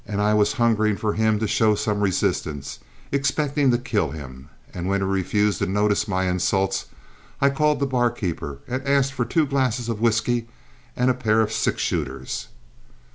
I was hungering for him to show some resistance, expecting to kill him, and when he refused to notice my insults, I called the barkeeper and asked for two glasses of whiskey and a pair of six shooters.